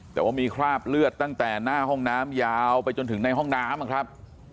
แต่ว่ามีคราบเลือดตั้งแต่หน้าห้องน้ำยาวไปจนถึงในห้องน้ำนะครับ